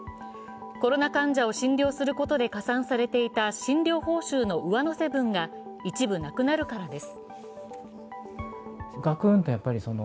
コロナ患者を診療することで加算されていた新柳報酬の上乗せ分が一部なくなるからです。